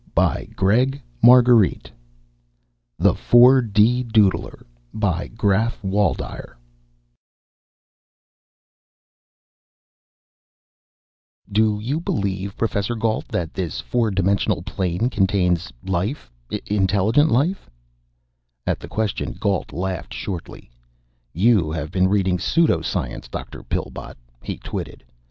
The mouth moved rapidly_ ] The 4 D DOODLER by GRAPH WALDEYER "Do you believe, Professor Gault, that this four dimensional plane contains life intelligent life?" At the question, Gault laughed shortly. "You have been reading pseudo science, Dr. Pillbot," he twitted.